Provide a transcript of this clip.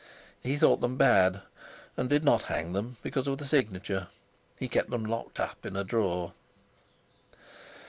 He thought them bad, and did not hang them because of the signature; he kept them locked up in a drawer.